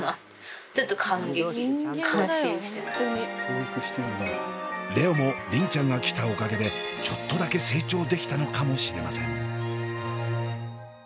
蓮音も意外と蓮音も梨鈴ちゃんが来たおかげでちょっとだけ成長できたのかもしれません。